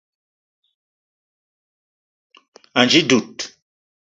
Ànji dud